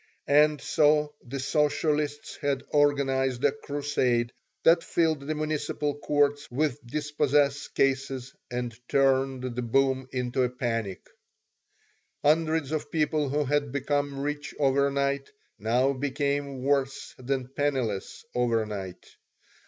And so the socialists had organized a crusade that filled the municipal courts with dispossess cases and turned the boom into a panic Hundreds of people who had become rich overnight now became worse than penniless overnight.